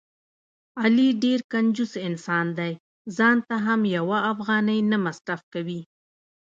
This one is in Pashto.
علي ډېر کنجوس انسان دی.ځانته هم یوه افغانۍ نه مصرف کوي.